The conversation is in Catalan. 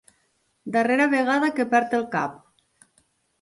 Darrera vegada que perd el cap.